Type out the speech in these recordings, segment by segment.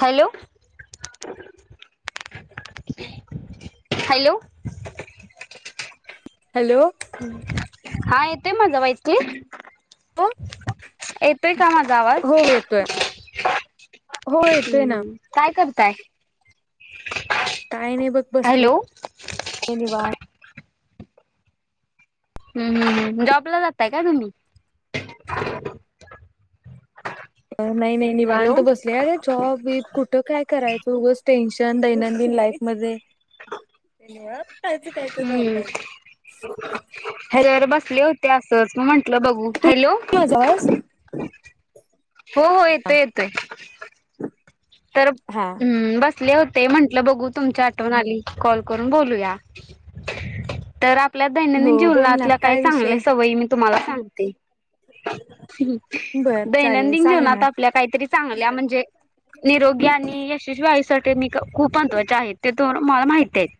Hello? Hello? Hello? हा येतोय माझा व्हॉईस ताई? बोल येतोय. का माझा आवाज हो येतोय ना हम्म काय कर ताय काय नाही बघ बसले निवा हम्म हम्म हम्म जॉबला जाताय का तुम्ही? नाही नाही हॅलो निवांत बसले अरे जॉब बीब कुठं काय कराय [unintelligible] टेन्शन दैनंदिन लाईफ मध्ये. [unintelligible] खायच हम्म झोपायचं ते असच म्हंटलं बघू. हॅलो माझा आवाज हो हो येतय येतय तर हा हम्म बस होते म्हंटलं बघू तुमच्या आठवण आली कॉल करून बोलूया तर आ पल्या हो दैनंदिन बोल ना जीवनातल्या काही काय विषय चांगले सवयी मी तुम्हाला सां सांगते बर चालेल दैनंदिन सांग ना जीवनात आपल्या काहीतरी चांगल्या म्हणजे निरोगी आणि यश व्हायं साठी मी कुप मत्वा आहेत तेथून मला माहती आहेत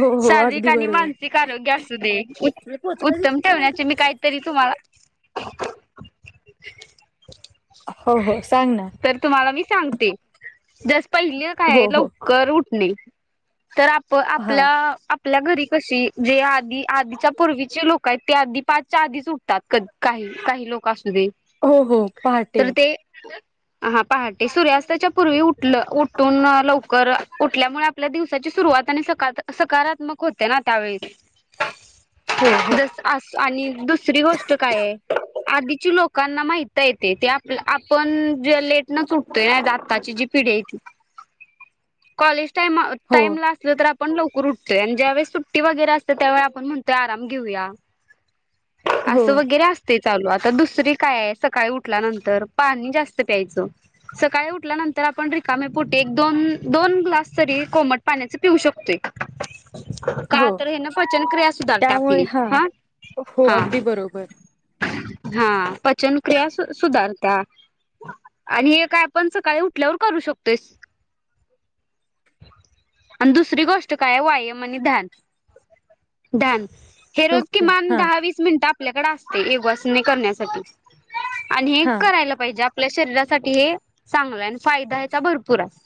हो हो शारीरिक अगदी आणि बरोबर मानसिक आरोग्य असू दे उत्तम ठेवण्याचे मी काहीतरी तुम्हाला [inaudible] हो हो सांग ना तर तुम्हाला मी सांगते जास्त पहिलं काय हो हाय हो लवकर उठणे तर आप हा आपल्या आ आपल्या घरी कशी जे आधी आधीच्या पूर्वीचे लोक आहेत ते आधी पाचच्या आधीच उठतात कध काही काही लोक असत होहो पहाटे हा पहाटे सूर्यास्ताच्या पूर्वी उठल उठून लवकर उठल्यामुळे आपल्या दिवसाची सुरुवात आणि सकाळ सकारात्मक होते ना त्यावेळी हो हो जस अस आणि दुसरी गोष्ट काय आहे आधीची लोकांना माहित आहे ते आपलं आपण जे लेटनच उठतय ह आताची जी पिढी आहे ती कॉलेज टाईम हो टाईम लागल तरं आपल पण लवकर उठतोय आणि ज्यावेळस सुट्टी वगैरे असते त्यावेळा आपण म्हणतोय आराम घेऊया हो असं वगैरे असतंय चालू आता दुसरी काय आहे सकाळी उठल्यानंतर पाणी जास्त पायच सकाळी उठल्यानंतर आपण रिकामेपोटे दोन दोन ग्लास तरी कोमट पाण्याच पिऊ शकतोय. हो का तर हे न पचनक्रिया सुधारते आपली हा हो हा अगदी बरोबर हा पचनक्रिया सुधारत्या आणि हे काय आपण सकाळी उठल्यावर करू शकतोय आणि दुसरी गोष्ट काय आहे व्यायाम आणि ध्यान ध्यान हे रोज ओके किमान हा दहा वीस मिनटात आपल्याकडे असते एक वसने करण्यासाठी आणि हे हा करायला पाहिजे आप आपल्या शरीरासाठी हे चांगलं आहे. फायदा ह्याचा भरपूर आहे.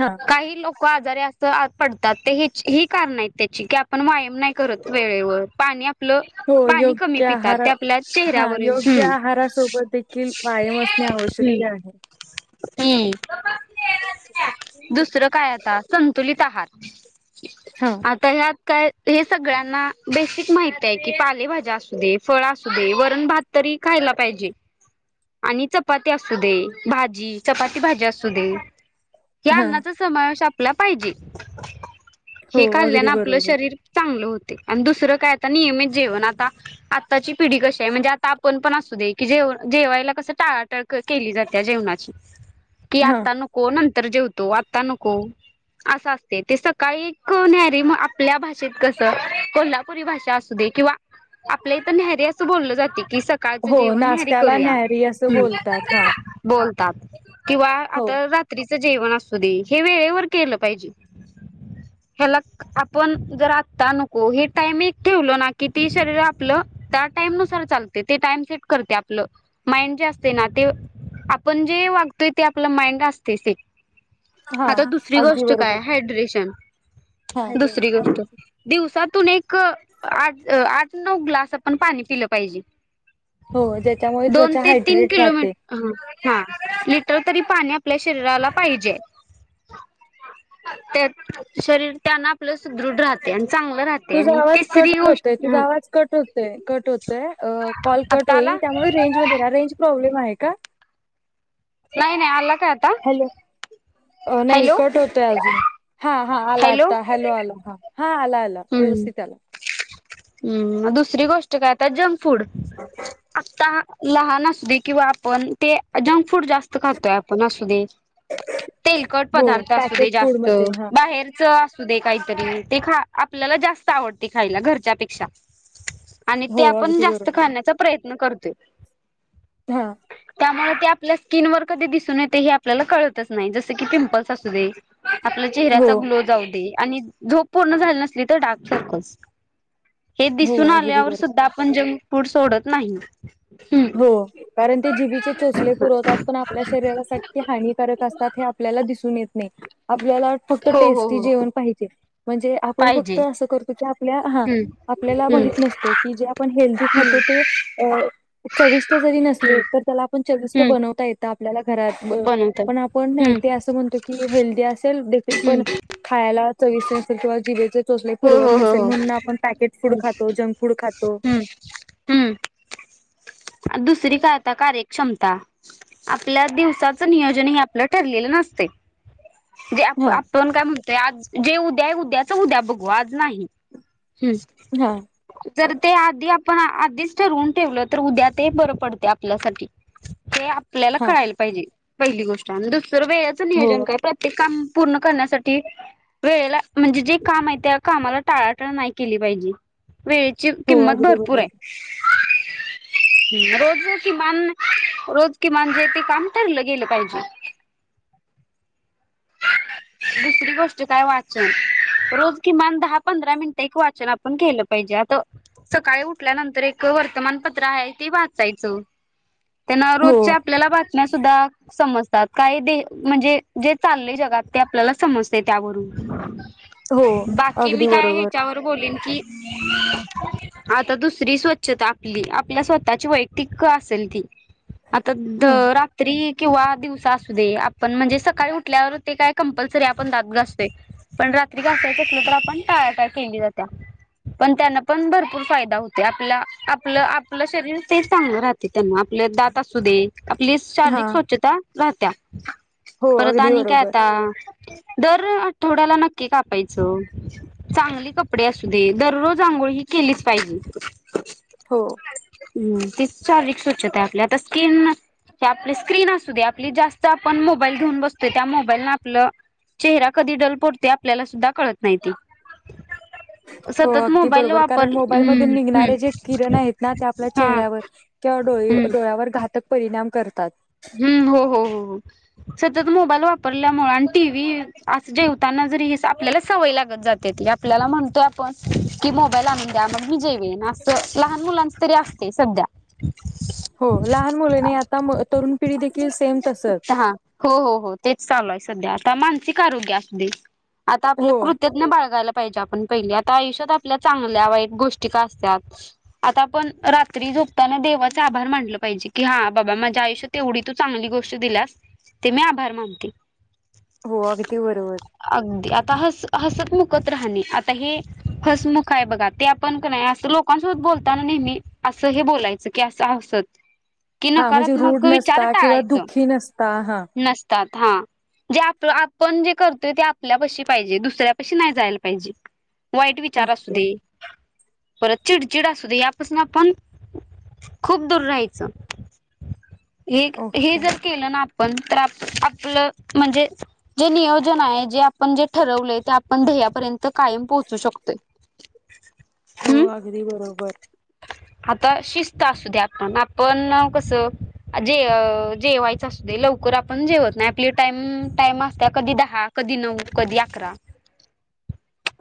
हा काही लोक आजार अस पडतात ते ही कारण आहेत त्याची की आपण व्यायाम नाही करत वेळेवर पाणी आपलं हो पाणी कमी योग्य पितात आहार ते आपल्या हा चेहऱ्यावर योग्य हम्म आहारासोबत देखील व्यायाम असणे आवश्यकते आहे. हम्म दुसरं काय आता स संतुलित आहार हां, आता ह्यात काय हे सगळ्यांना बेसिक माहिती आहे की पालेभाज्या असू दे फळ असू दे वरण भात तरी खायला पाहिजे. आणि चपाती असू दे. भाजी चपाती भाजी असू दे. या हां. अन्नाचा समावेश आ आपला पाहिजे हो, हे अगदी खाल्ल्यानं आपलं बरोबर. शरीर चांगलं होत आणि दुसरं काय आता नियमित जेवण आता आताची पिढी कशी आहे म्हणजे आता आपण पण असू दे की जेव जेवायला ला कस टाळाटळ केली जाते जेवणाची की हां. आतान कोण तर जेवतो आता नको असं असते ते सकाळी नहरी मग आपल्या भाषेत कस कोल्हापुरी भाषा असू दे किंवा आपल्या इथ न्यारी असं बोललं जाते कि सकाळचं हो, जेवण हर नाश्त्याला करूया न्याहारी असं हम्म बोलतात हा बोलतात किंवा आता रात्री जेवण असू दे हे वेळेवर केलं पाहिजे ह्याला आपण जर आता नको हे टाइम एक ठेवल ना कि ती शरीर आपलं त्या टाइम नुसार चालते ते टाइम सेट करते आपलं माइंड जे असते ना ते आपण जे वागतोय ते आपलं माइंड असते सेट आता हां, दुसरी अगदी गोष्ट बरोबर. काय हायड्रेशन हां. दुसरी गोष्ट दिवसात तून एक आज आठ नऊ ग्लास आपण पाणी पिलं पाहिजे हो त्याच्यामुळे दोन ते तीन किलोमी हा लिटर तरी पाणी आपल्या शरीराला पाहिजे शरीर त्याने आपलं सुदृढ राहतं तुझा आवाज क होत तुझ आवाज कट हो कट होत कॉल कट आता आला होईल त्यामुळे रेंज म रेंज प्रॉब्लेम आहे का नाही नाही आला काय आता हॅलो. नाही हॅलो कट होतय अजून हा हा आला आता हॅलो आला आला आला. हम्म व्यवस्थित आला. हम्म दुसरी गोष्ट [unintelligible] फूड आत्ता लहान असूदे किंवा आपण ते जंक फूड जास्त खातोय आपण असू दे तेलकट हो पदार्थ असू दे पॅकेट फूड जास्त मध्ये हां. बाहेरच काहीतरी ते खा आपल्याला जास्त आवडते खायला घरच्यापेक्षा आणि ते हो आपण अगदी जास्त बरोबर. खाण्याचा प्रयत्न करतोय हा त्यामुळे ते आपल्या स्किन वर कधी दिसून येते हे आपल्याला कळतच नाही जसं की पिंपल्स असू दे आपल्या हो. चेहऱ्याचा ग्लो जाऊ दे. आणि झधोप पूर्ण झा. तिथ डाकतस. हे हो दिसून अगदी आल्यावर बरोबर. सुद्धा आपण जाऊ. फूड सोडत नाही. हम्म हो कारण ते जीबचे चोचले पुरवतात पण आपल्या शरीरासाठी हानिकारक असतात हे आपल्याला दिसून येत. म अ आप. आपल्याला फक्त हो हो टेस्टी हो जेवण पाहिजे. म्हणजे आपण फक्त पाहिजे असं करतो की आपल्या हा हम्म आपल्याला हम्म माहित नसतं की जे आपण हेल्दीी खातो ते. चविष्ट जरी नसले, हम्म तर त्याला आपण चविष्ट हम्म बनवता येतो. आपल्याला घरात. बनवतात पण आपण नाही हम्म ते असं म्हणतो, की हेल्दी असेल. ते हम्म पण [inaudible] खा. ला चविष्ट आहे पण जिभेच - चोचले हो पुरवत हो हो नसेल, हो म्हणून आपण पॅकेट फूड खातो, जंक फूड खातो. हम्म हम्म दुसरी काय आता, कार्यक्षमता. आपल्या दिवसाच नियोजन हे आपलं ठरलेलं नसते. म्हण आप हा -आपण काय म्हणतोय, आज. जे उद्या आहे. उद्याच उद्या बघू, आज नाही. हम् हा तर ते आधी आप पण आधीच ठरून ठेवलं. तर उद्या ते बरं पडते, आपल्यासाठी. ते आपल्याला हा कळायला पाहिजे. पहिली गोष्ट आणि दुस - वेळेच नियोजन हो काय, प्रत्येक काम. पूर्ण करण्यासाठी वेळेला, म्हणजे जे काम आहे, त्या कामाला टाळाटाळ नाही केली पाहिजे. वेळेची हो किंमत अगदी भरपूर आहे. बरोबर [inaudible] रोज न किमान, रोज किमान, जे ते काम ठरलं गेलं पाहिजे. दुसरी गोष्ट काय वाचन. रोज किमान दहा पंधरा मिनिटं एक वाचन आपण केलं पाहिजे. आता सकाळी उठल्यानंतर एक वर्तमानपत्र आहे ते वाचायचं. त्यांना हो रोजच्या आपल्याला बातम्या सुद्धा समज तात काही [unintelligible] म्हणजे. चाललंय जगात, ते आपल्याला समजते त्यावरून. हो बाकी मी अगदी काय बरोबर ह्याच्यावर बोलेन की. आता दुसरी स्वच्छता आपली. आपल्या स्वतःची वैयक्तिक असेल ती. आता द हम्म रात्री. किंवा दिवसा असू दे, आपण म्हणजे सकाळी- उठल्यावर ते काय कंपल्सरी आपण दात घासतोय. पण रात्री घासायचं असलं तर आपण टाळ्या टाळ केली जाते, पण त्यांना पण भरपूर फायदा होते आपला आपलं आपलं शरीर ते चांगलं राहते त्यांना आपलं दात असू दे. आपली हा शारीरिक स्वच्छता. राहत्या. हो [unintelligible] तानी काय आता दर आठवड्याला नक्की कापायचं. चांगले कपडे असू दे, दररोज आंघोळी ही केलीच पाहिजे. हो तीच शारीरिक स्वच्छता आहे आपली आता स्किन आपली स्क्रीन असू दे आपली जास्त आपण मोबाईल घेऊन बसतो त्या मोबाईल न आपला चेहरा कधी डल पडतोय आपल्याला सुद्धा कळत नाही हो सतत अगदी मोबाईल बरोबर कारण वापर मोबाईल हम्म मधून हम्म निघणारे जे किरण आहेत ना ते आपल्या हा चेहऱ्यावर किंवा हम्म डोळ्यावर घातक परिणाम करतात हम्म हो हो हो हो सतत मोबाईल वापरल्यामुळे आणि टी व्ही जेवताना जरी आपल्याला सवय लागत जाते ती आपल्याला म्हणतोय आपण की मोबाईल आणून द्या मग मी जेवेन आस लहान मुलांच तरी असते सध्या हो लहान मुलीने आता तरुण पिढी देखील सेम तसच हा हो हो हो ते चालूय सध्या आता मानसिक आरोग्य असुदे आता हो आपल्या कृत्यजञ बाळगायला पाहिजे आयुष्यात आपल्या चांगल्या वाई गोष्टी का असतात आता आपण रात्री झोपताना देवाचे आभार मानले पाहिजे की हा बाबा माझ्या आयुष्यात तेवढी तू चांगली गोष्ट दिल्यास ते मी आभार मानते हो अगदी बरोबर अगदी आता हस हसत मुखत राहणे आता हे हसमुख आहे बघा ते आपण नाही असं लोकांसोबत बोलताना नेहमी असं हे बोलायचं की असं हसत कि हा म्हणजे नकारात्मक रूढ विचार नसता किंवा टाळायचं दुःखी नसता हा नसतात हा जे आप आपण जे करतोय ते आपल्या पशी पाहिजे दुसऱ्यापाशी नाही जायला पाहिजे वाईट विचार असू ओके दे परत चिडचिड असुदे यापासून आपण खूप दूर राहायचं हे हे ओके जर केलं ना आपन आपलं म्हणजे जे नियोजन आहे जे आपण जे ठरवलंय ते आपण ध्येपर्यंत तर कायम पोहोचू शकतोय [inaudible] हो हम्म अगदी बरोबर आता शिस्त असू दे्या आपण आपण कसं जे जेवायचं असू दे लवकर आपण जेवत नाही आपली टाईम टाइम असते कधी दहा कधी नऊ कधी अकरा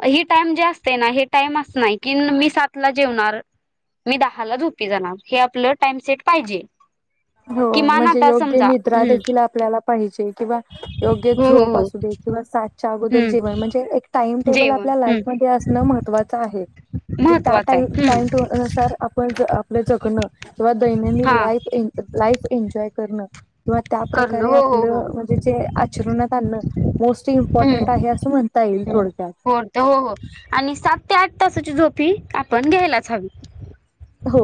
ही टाइम जे असते ना हे टाइम असत नाही कि मी सात ला जेवणार मी दहाला झोपी जणार हे आपलं टाइम सेट पाहिजे हो किमान म्हणजे आता योग्य समजा निद्रा हम्म देखील आपल्याला पाहिजे किंवा योग्य हो हो झोप हो असू दे किंवा साातच्या अगोदर हम्म जीवन म्हणजे एक टाइम टेबल जेवण आपल्या लाईफ हम्म म असणं महत्त्वाचं आहे म्हणजे त्या महत्त्वाचं आहे हम्म टाइमे तर आपण आपलं जगण किंवा दैनंदिन हा लाईफ लाईफ एन्जॉय करणं किंवा त्या करणं प्र्रकारे हो हो हो आपलं म्हणजे जे आचरणात आणणं मोस्ट इम्पॉर्टंट हम्म आहे असं म्हणता येईल थोडक्यात हो हो ती आपण घ्यायलाच हवी हो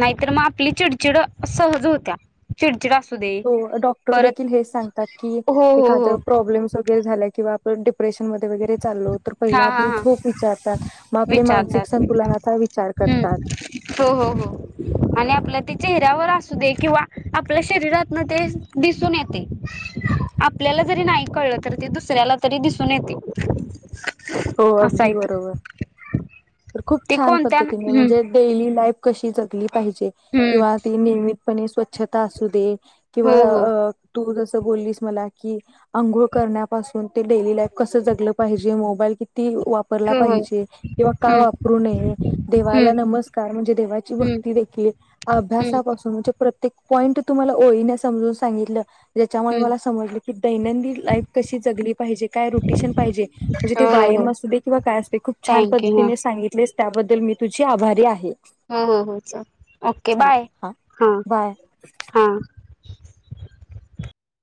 नाहीतर मग आपली चिडचिड सहज होत्या चिडचिड दे डॉक्टर परत देखील हेच सांगतात की हो हो एखाद हो प्रॉब्लेम् वगैरे झाल्या किं आप डिपेन मध्येैगरे चालोत तर पहिला आपल्या झोप विचारतात मग आपले मानसिक विचारतात् संतुलनाचा विचार करतात हो हो हो आणि आपल्या चेहऱ्यावर असू दे किंवा आपल्या शरीरातन ते दिसून येते आपल्याला जरी नाही कळलं त ते दुसऱ्याला तरी दिसून येते हो असं आहे अगदी ते बरोबर तर खूप ते छान कोणत्या पद्धतीने हम्म म्हणजे डेली लाईफ कशी जातली पाहिजे हम्म किंवा त नि पणे स्वच्छता असू दे किंवा हो हो अ तू जसं बोलीस मला कि अंगोळ करण्या पासून जेवण कसा जगंलात पाहिजे मोबाईल कि वापरला हो हो पाहिजे किंवा का हम्म वापरू नये हम्म देवाला नमस्कार म्हणजे देवाची हम्म भक्ती देखील हम्म अभ्यासापासून म्हणजे प्र्य पॉईंट तुम्हाला ओळीने समजून सांगितलं ज्याच्यामुळे हम्म मला समजलं की दैनंदिन लाईफ कशी जगली पाहिजे काय रुटेशन पाहिजे म्हणजे ते हो हो हो व्यायाम असू दे किंवा काय अस दे खूप छान थँक्यू हा पद्धतीने सांगितले त्याबद्दल मी तुझी आभारी आहे ह हो चल ओके बाय हा बाय. हा